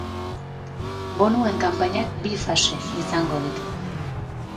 Bonuen kanpainak bi fase izango ditu.